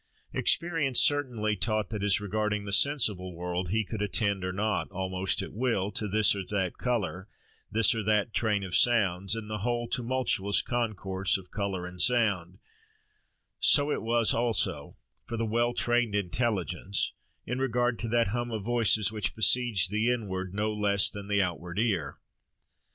Experience certainly taught that, as regarding the sensible world he could attend or not, almost at will, to this or that colour, this or that train of sounds, in the whole tumultuous concourse of colour and sound, so it was also, for the well trained intelligence, in regard to that hum of voices which besiege the inward no less than the outward ear.